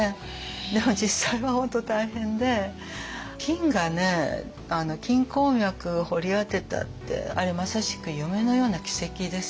でも実際は本当大変で金がね金鉱脈掘り当てたってあれまさしく夢のような奇跡ですよね。